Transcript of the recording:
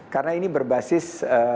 karena ini berbasis